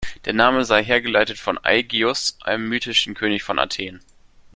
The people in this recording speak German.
Der Name sei hergeleitet von Aigeus, einem mythischen König von Athen.